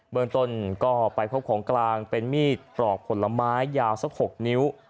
เมืองต้นก็ไปพบของกลางเป็นมีดปลอกผลไม้ยาวสัก๖นิ้ว